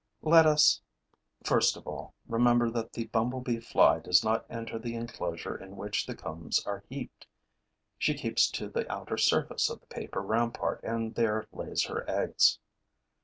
Let us, first of all, remember that the bumblebee fly does not enter the enclosure in which the combs are heaped: she keeps to the outer surface of the paper rampart and there lays her eggs.